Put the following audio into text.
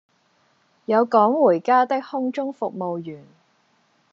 有趕回家的空中服務員